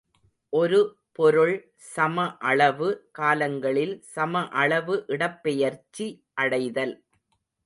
ஒரு பொருள் சமஅளவு காலங்களில் சமஅளவு இடப்பெயர்ச்சி அடைதல்.